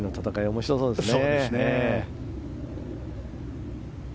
面白そうですね。